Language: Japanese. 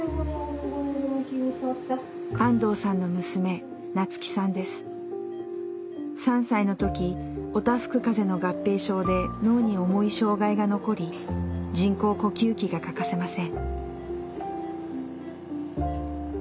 安藤さんの娘３歳の時おたふく風邪の合併症で脳に重い障害が残り人工呼吸器が欠かせません。